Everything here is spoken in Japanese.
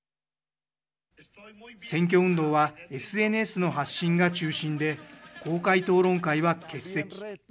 選挙運動はＳＮＳの発信が中心で公開討論会は欠席。